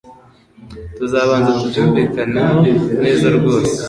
Tuzabanza tubyumvikaneho neza rwose .